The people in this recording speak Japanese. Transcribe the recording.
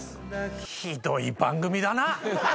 ひどい番組だな！